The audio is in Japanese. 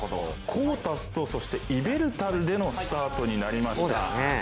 コータスとそしてイベルタルでのスタートになりました。